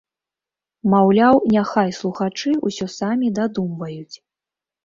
Маўляў, няхай слухачы ўсё самі дадумваюць.